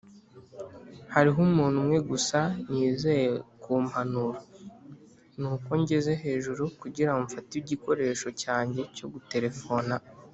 hariho umuntu umwe gusa nizeye kumpanuro, nuko ngeze hejuru kugirango mfate igikoresho cyanjye cyo guterefona.